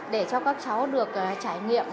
để cho các cháu được trải nghiệm